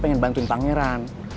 pengen bantuin pangeran